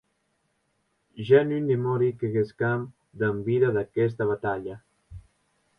Ja non demori que gescam damb vida d’aguesta batalha.